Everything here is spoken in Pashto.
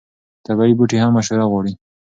طبیعي بوټي هم مشوره غواړي.